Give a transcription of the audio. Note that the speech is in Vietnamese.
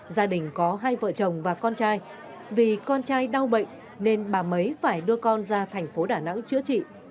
gia đình có hai vợ chồng và con trai vì con trai đau bệnh nên bà ấy phải đưa con ra thành phố đà nẵng chữa trị